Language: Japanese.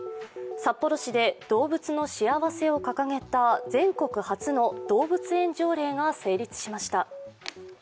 札幌市で動物の幸せを掲げた全国初の動物園条例が成立しました。